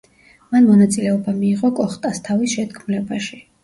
მან მონაწილეობა მიიღო კოხტასთავის შეთქმულებაში.